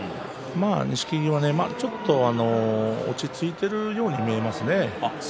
錦木は落ち着いているように見えます